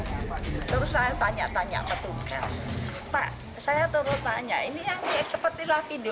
terus saya tanya tanya petugas pak saya terus tanya ini yang sepertilah video